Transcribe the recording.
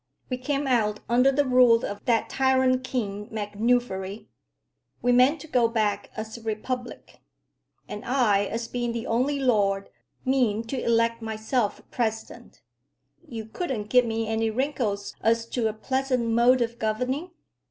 We came out under the rule of that tyrant King MacNuffery. We mean to go back as a republic. And I, as being the only lord, mean to elect myself president. You couldn't give me any wrinkles as to a pleasant mode of governing?